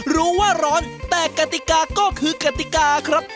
ร้อนแต่กติกาก็คือกติกาครับ